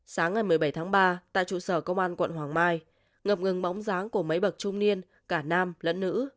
sáng ngày một mươi bảy tháng ba tại trụ sở công an quận hoàng mai ngọc ngưng bóng dáng của mấy bậc trung niên cả nam lẫn nữ